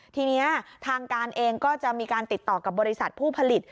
ทีนี้ทางการเองก็จะมีการติดต่อกับบริษัทผู้ผลิต